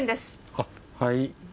あっはい。